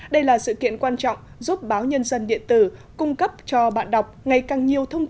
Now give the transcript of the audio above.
đây là sự kiện quan trọng giúp báo nhân dân điện tử cung cấp cho bạn đọc ngày càng nhiều thông tin